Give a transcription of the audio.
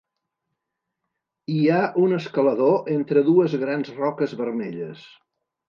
hi ha un escalador entre dues grans roques vermelles.